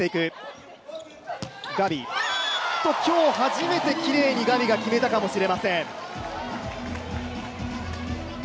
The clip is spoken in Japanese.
今日、初めてきれいにガビが決めたかもしれません。